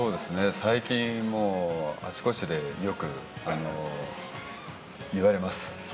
最近、あちこちでよく言われます。